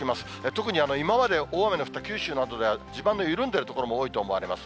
特に今まで大雨の降った九州などでは地盤の緩んでいる所もあると思われます。